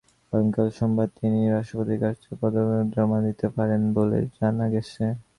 আগামীকাল সোমবার তিনি রাষ্ট্রপতির কাছে পদত্যাগপত্র জমা দিতে পারেন বলে জানা গেছে।